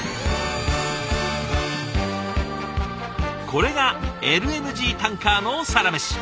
これがＬＮＧタンカーのサラメシ。